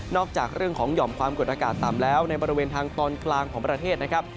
จากเรื่องของหย่อมความกดอากาศต่ำแล้วในบริเวณทางตอนกลางของประเทศนะครับ